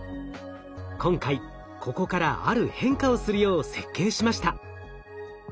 今回ここからある変化をするよう設計しました。